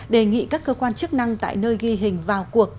đề nghị các cơ quan chức năng tại nơi ghi hình vào cuộc